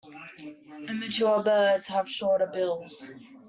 Immature birds have shorter bills.